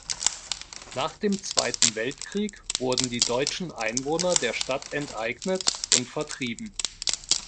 Nach dem Zweiten Weltkrieg wurden die deutschen Einwohner der Stadt enteignet und vertrieben.